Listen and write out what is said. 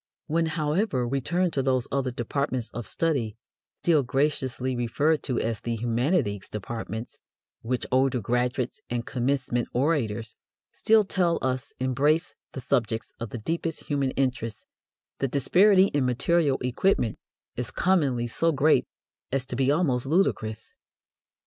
When, however, we turn to those other departments of study still graciously referred to as the "humanities," departments which older graduates and commencement orators still tell us embrace the subjects of the deepest human interest, the disparity in material equipment is commonly so great as to be almost ludicrous.